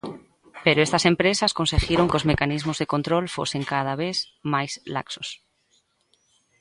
Pero estas empresas conseguiron que os mecanismos de control fosen cada vez máis laxos.